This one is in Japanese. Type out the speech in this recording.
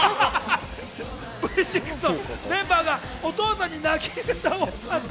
Ｖ６のメンバーがお父さんに鳴き方を教わった。